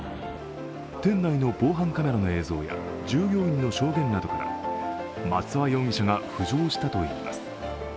店内の防犯カメラの映像や従業員の証言などから松沢容疑者が浮上したといいます。